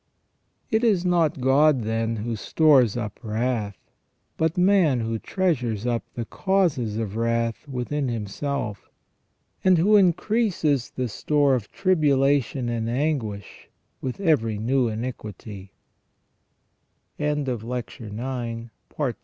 It is not God, then, who stores up wrath, but man who treasures up the causes of wrath within him self, and who increases the store of tribulation and anguish with every new in